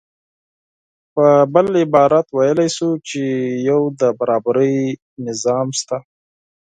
په بل عبارت ویلی شو چې یو د برابرۍ سیستم شته